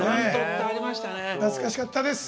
懐かしかったです。